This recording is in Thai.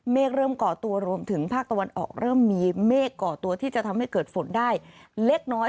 เริ่มก่อตัวรวมถึงภาคตะวันออกเริ่มมีเมฆก่อตัวที่จะทำให้เกิดฝนได้เล็กน้อย